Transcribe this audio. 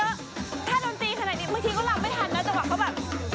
ถ้าโดนตีขนาดนี้เมื่อกี้ก็ลำไม่ทันนะแต่ว่าเขาก็แบบ